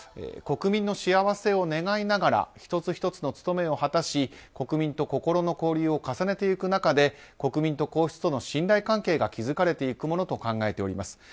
国民の幸せを願いながら一つ一つの務めを果たし国民と心の交流を重ねていく中で国民と皇室との信頼関係が築かれていくものと考えております。